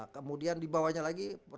kemudian dibawahnya lagi